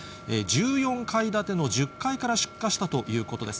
１４階建ての１０階から出火したということです。